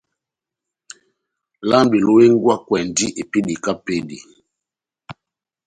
Lambi lohengwakwɛndi epédi kahá epédi.